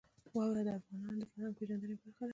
واوره د افغانانو د فرهنګي پیژندنې برخه ده.